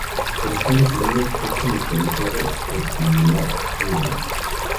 En Estados Unidos es comercializado por Cingular Wireless.